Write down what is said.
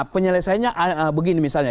penyelesaiannya begini misalnya